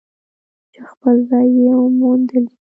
چې خپل ځای یې موندلی.